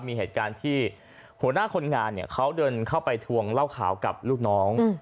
มีเหตุการณ์ที่หัวหน้าคนงานเนี่ยเขาเดินเข้าไปทวงเหล้าขาวกับลูกน้อง